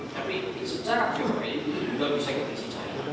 tapi secara teori juga bisa kita isi cahaya